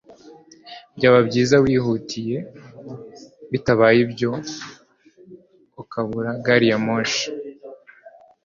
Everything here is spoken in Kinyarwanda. byaba byiza wihutiye, bitabaye ibyo ukabura gari ya moshi